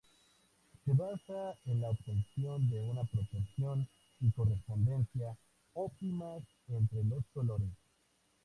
Se basa en la obtención de una proporción y correspondencia óptimas entre los colores.